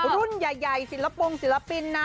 รุ่นใหญ่ศิลปรงกิจกรรมศิลปินนะ